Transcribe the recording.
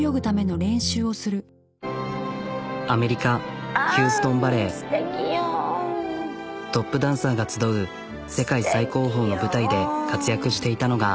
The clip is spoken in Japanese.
アメリカトップダンサーが集う世界最高峰の舞台で活躍していたのが。